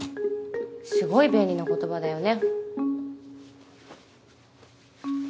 すごい便利な言葉だよね。